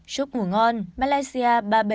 chúc ngủ ngon malaysia ba trăm bảy mươi